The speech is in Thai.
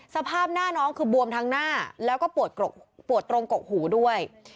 สภาพหน้าน้องคือบวมทั้งหน้าแล้วก็ปวดตรงกกหูด้วย